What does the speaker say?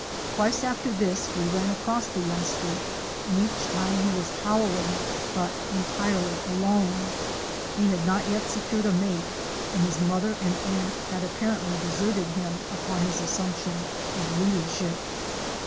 Twice after this we ran across the youngster and each time he was howling, but entirely alone. He had not yet secured a mate and his mother and aunt had apparently deserted him upon his assumption of leadership!